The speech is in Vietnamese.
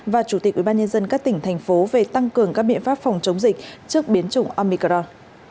và chủ tịch ubnd các tỉnh thành phố về tăng cường các biện pháp phòng chống dịch trước biến chủng omicron